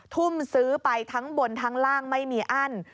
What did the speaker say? ทุ่มซื้อไปทั้งบนทั้งล่างไม่มีอั้น